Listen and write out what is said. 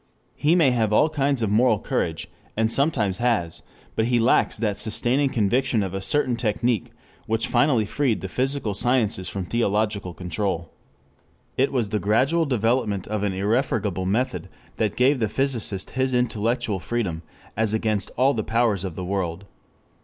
He may have all kinds of moral courage, and sometimes has, but he lacks that sustaining conviction of a certain technic which finally freed the physical sciences from theological control. It was the gradual development of an irrefragable method that gave the physicist his intellectual freedom as against all the powers of the world.